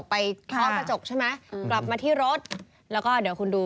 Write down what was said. ไปเข้ากระจกใช่ไหมว้างกับรถกลับมาที่รถแล้วเดี๋ยวคุณดู